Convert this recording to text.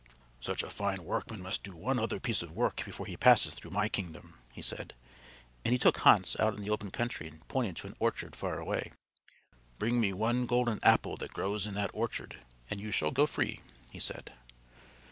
"Such a fine workman must do one other piece of work before he passes through my kingdom," he said; and he took Hans out in the open country and pointed to an orchard far away. "Bring me one golden apple that grows in that orchard and you shall go free," he said.